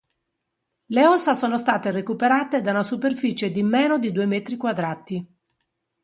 Le ossa sono state recuperate da una superficie di meno di due metri quadrati.